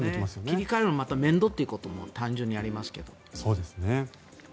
切り替えるのもまた面倒というのも単純にありますが。